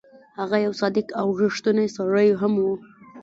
هغه یو صادق او ریښتونی سړی هم وو.